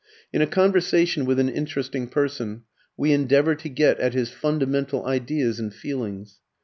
In a conversation with an interesting person, we endeavour to get at his fundamental ideas and feelings.